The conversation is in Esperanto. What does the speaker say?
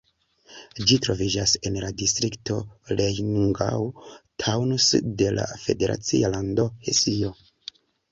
Ĝi troviĝas en la distrikto Rheingau-Taunus de la federacia lando Hesio.